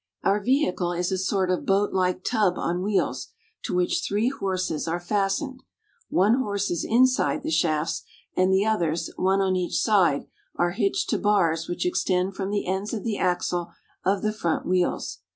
Our vehicle is a sort of boatlike tub on wheels, to which three horses are fastened. One horse is inside the shafts, and the others, one on each side, are hitched to bars which extend from the ends of the axle of the front wheels.